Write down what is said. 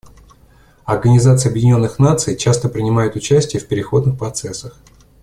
Организация Объединенных Наций часто принимает участие в переходных процессах.